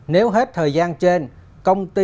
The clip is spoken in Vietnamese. nếu hết thời gian trên